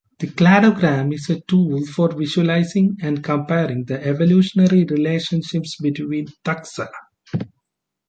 The cladogram is a tool for visualizing and comparing the evolutionary relationships between taxa.